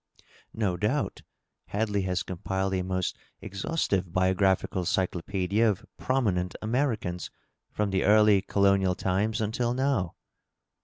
" No doubt. Hadley has compiled a most exhaustive biographical 564 DOUGLAS DUANE, cyclopsedia of prominent Americans^ from the early colonial times until now."